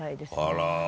あら。